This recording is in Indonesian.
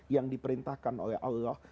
yang diperintahkan oleh allah